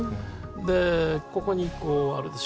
でここにこうあるでしょ。